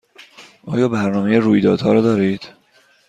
آیا برنامه رویدادها را دارید؟